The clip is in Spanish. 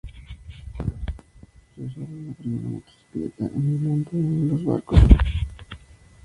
Se usaron en la primera motocicleta en el mundo y en barcos a motor.